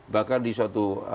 bahkan di suatu